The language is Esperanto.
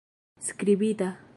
skribita